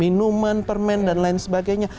makanan makanan makanan lain lain sebagainya